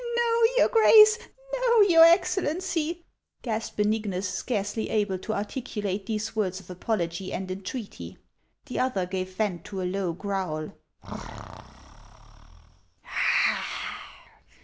" No, your Grace ! No, your Excellency !" gasped .Be nignus, scarcely able to articulate these words of apology and entreaty. The other gave vent to a low growl.